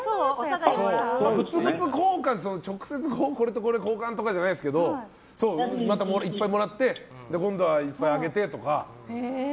物々交換というか直接これとこれを交換って感じじゃないですけどまたいっぱいもらって今度はいっぱいあげてとか。